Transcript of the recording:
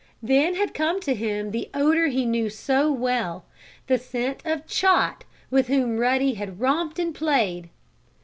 Then had come to him the odor he knew so well the scent of Chot with whom Ruddy had romped and played.